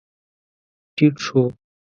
ټيټ شو.